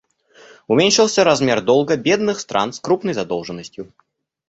Уменьшился размер долга бедных стран с крупной задолженностью.